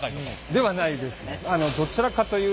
ではないです。